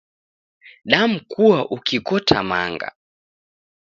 Damkua ukikota manga